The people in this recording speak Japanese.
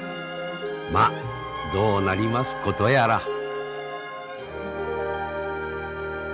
まどうなりますことやら。